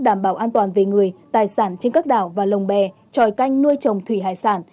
đảm bảo an toàn về người tài sản trên các đảo và lồng bè tròi canh nuôi trồng thủy hải sản